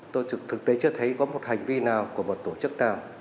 tôi thực tế chưa thấy có một hành vi nào của một tổ chức nào